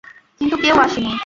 কিন্তু কেউ আসেনি।